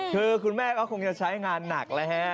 คือคุณแม่ก็คงจะใช้งานหนักแล้วฮะ